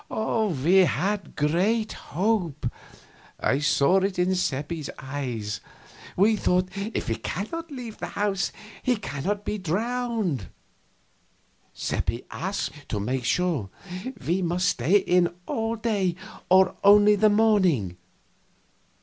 We had a great hope! I saw it in Seppi's eyes. We thought, "If he cannot leave the house, he cannot be drowned." Seppi asked, to make sure: "Must he stay in all day, or only the morning?"